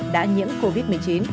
đã nhiễm covid một mươi chín